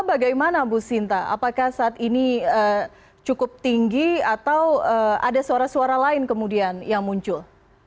bagaimana bu sinta apakah saat ini cukup tinggi atau ada suara suara lain kemudian yang muncul